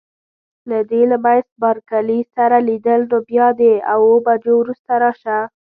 که دې له میس بارکلي سره لیدل نو بیا د اوو بجو وروسته راشه.